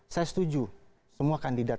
saya setuju semua kandidat